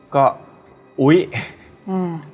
ก็อุ๊ยอืม